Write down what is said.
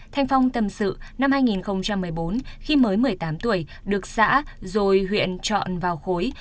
thanh phong tâm sự năm hai nghìn một mươi bốn khi mới một mươi tám tuổi được xã rồi huyện chọn vào khối